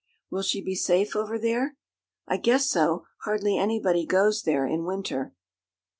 "Will she be safe over there?" "I guess so hardly anybody goes there in winter."